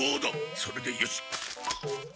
それでよし。